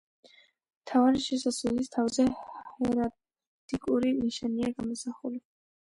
მთავარი შესასვლელის თავზე ჰერალდიკური ნიშანია გამოსახული.